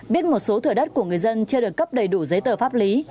biết một số thửa đất của người dân chưa được cấp đầy đủ giấy tờ pháp lý